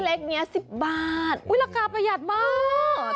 แต่นี่ถ้วยเล็กนี้๑๐บาทอุ๊ยราคาประหยัดมาก